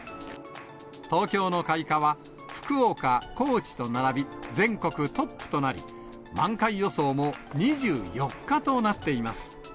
東京の開花は、福岡、高知と並び全国トップとなり、満開予想も２４日となっています。